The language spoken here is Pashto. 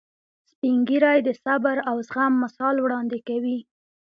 سپین ږیری د صبر او زغم مثال وړاندې کوي